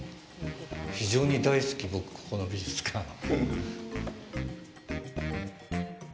非常に大好き、僕、ここの美術館。